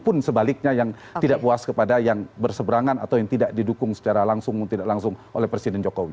pun sebaliknya yang tidak puas kepada yang berseberangan atau yang tidak didukung secara langsung tidak langsung oleh presiden jokowi